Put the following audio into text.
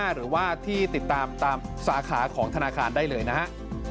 หรือว่าที่ติดตามตามสาขาของธนาคารได้เลยนะฮะ